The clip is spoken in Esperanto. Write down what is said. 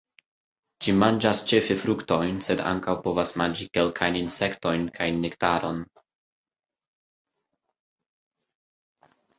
Ĝi manĝas ĉefe fruktojn, sed ankaŭ povas manĝi kelkajn insektojn kaj nektaron.